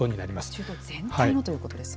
中東全体のということですね。